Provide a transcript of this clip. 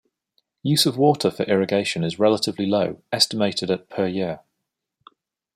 Use of water for irrigation is relatively low, estimated at per year.